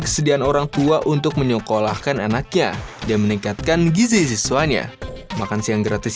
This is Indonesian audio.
kesediaan orang tua untuk menyekolahkan anaknya dan meningkatkan gizi siswanya makan siang gratis